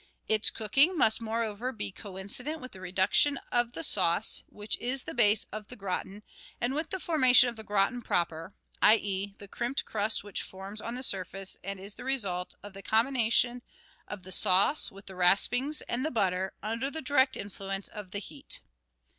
Its cooking must moreover be coincident with the reduction of the sauce, which is the base of the gratin, and with the formation of the gratin proper, i.e., the crimped crust which forms on the surface and is the result of the combination of the sauce 128 GUIDE TO MODERN COOKERY with the raspings and the butter, under the direct influence of the heat.